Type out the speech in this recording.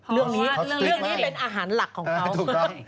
เรื่องนี้เป็นอาหารหลักของเขา